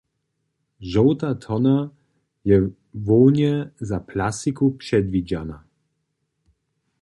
Žołta tona je hłownje za plastiku předwidźana.